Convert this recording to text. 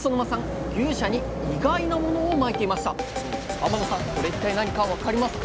天野さんこれ一体何か分かりますか？